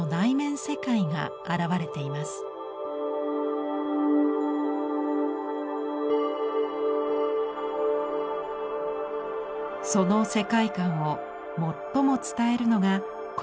その世界観を最も伝えるのがこちらの絵本。